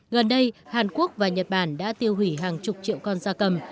gần đây hàn quốc và nhật bản đã tiêu hủy hàng chục triệu con da cầm